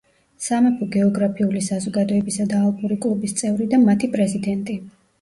სამეფო გეოგრაფიული საზოგადოებისა და ალპური კლუბის წევრი და მათი პრეზიდენტი.